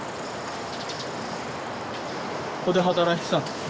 ここで働いてたんですか？